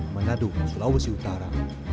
manado sulawesi utara